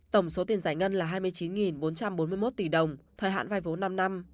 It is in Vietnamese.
tổng số tiền giải ngân là hai mươi chín bốn trăm bốn mươi một tỷ đồng thời hạn vai vốn năm năm